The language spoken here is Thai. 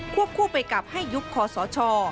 คู่ไปกับให้ยุบคอสช